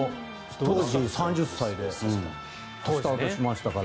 当時３０歳でスタートしましたから。